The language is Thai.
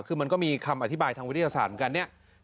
คือมันก็มีคำอธิบายทางวิทยาศาสตร์เหมือนกันเนี่ย